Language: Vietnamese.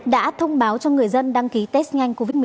đã thông báo cho người dân đăng ký test nhanh covid một mươi chín